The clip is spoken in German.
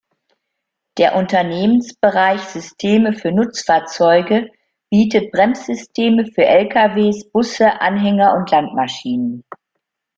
Der Unternehmensbereich Systeme für Nutzfahrzeuge bietet Bremssysteme für Lkws, Busse, Anhänger und Landmaschinen.